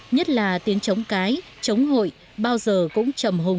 nhất là tiếng trống cái trống hội bao giờ cũng trầm hùng